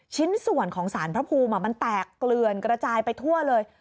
ชิ้นส่วนของสารพระภูมิมันแตกเกลือนกระจายไปทั่วเลย